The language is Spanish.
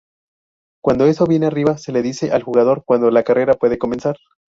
Cuando eso viene arriba, se le dice al jugador cuando la carrera puede comenzar.